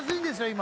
今。